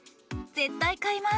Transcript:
絶対買います！